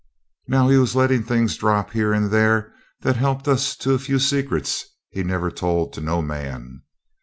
Now he was letting drop things here and there that helped us to a few secrets he'd never told to no man.